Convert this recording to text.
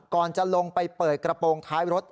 ก่อนจะลงไปเปิดกระโปรงท้ายรถ